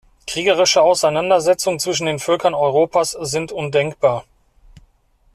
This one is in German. Kriegerische Auseinandersetzungen zwischen den Völkern Europas sind undenkbar.